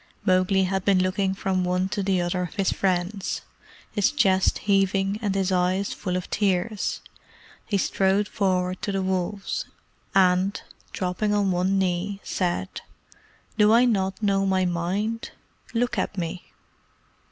Mowgli had been looking from one to the other of his friends, his chest heaving and his eyes full of tears. He strode forward to the wolves, and, dropping on one knee, said: "Do I not know my mind? Look at me!"